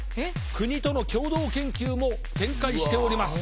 国との共同研究も展開しております。